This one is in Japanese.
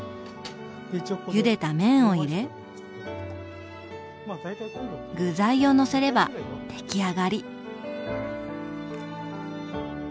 ゆでた麺を入れ具材をのせれば出来上がり！